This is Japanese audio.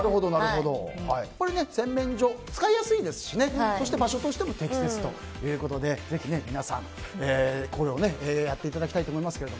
洗面所、使いやすいですし場所としても適切ということでぜひ、皆さんやっていただきたいと思います。